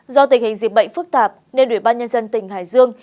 do tình hình dịch bệnh phức tạp nền luyện ban nhân dân tỉnh hải dương